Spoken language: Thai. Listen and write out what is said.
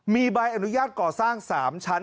มีใบอนุญาตก่อสร้าง๓ชั้น